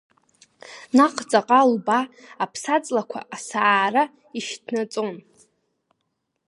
Наҟ ҵаҟа лбаа аԥсаҵлақәа асаара ишьҭанаҵон.